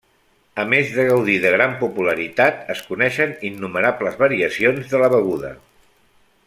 A més de gaudir de gran popularitat, es coneixen innumerables variacions de la beguda.